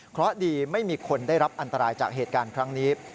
เพราะดีไม่มีคนได้รับอันตรายจากเหตุการณ์ครั้งนี้